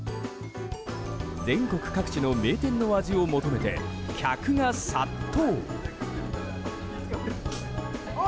全国各地の名店の味を求めて客が殺到。